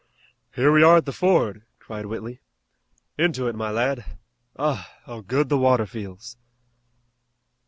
"Here we are at the ford!" cried Whitley. "Into it, my lad! Ah, how good the water feels!"